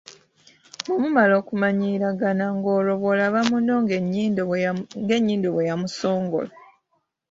Bwe mumala okumanyiiragana, ng'olwo bw'olaba munno ng'ennyindo bwe yamusongola.